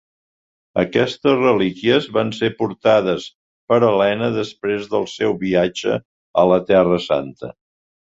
Aquestes relíquies van ser portades per Helena després del seu viatge a la Terra Santa.